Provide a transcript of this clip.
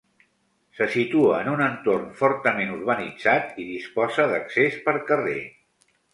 Se situa en un entorn fortament urbanitzat i disposa d'accés per carrer.